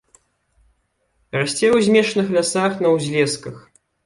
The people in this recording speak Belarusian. Расце ў змешаных лясах, на ўзлесках.